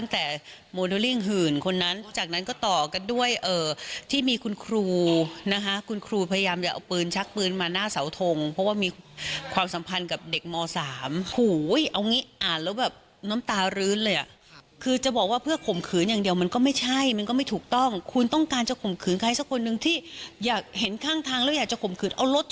ถึงที่อยากเห็นข้างทางแล้วอยากจะข่มขืนเอารถชนเขาได้เลยเหรอ